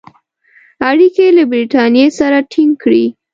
اړیکي له برټانیې سره تینګ کړي.